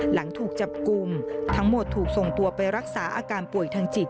หลังถูกจับกลุ่มทั้งหมดถูกส่งตัวไปรักษาอาการป่วยทางจิต